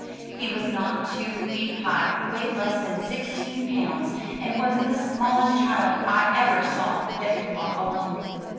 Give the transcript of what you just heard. He was not two feet high, weighed less than sixteen pounds, and was the smallest child I ever saw that could walk alone.